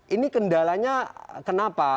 ini kendalanya kenapa